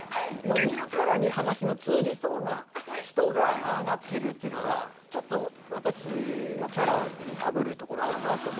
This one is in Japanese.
見るからに話の通じそうな人がああなってるっていうのがちょっと私のキャラにかぶるところあるなって思って。